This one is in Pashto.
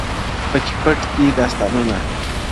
پکي پټ دي داستانونه -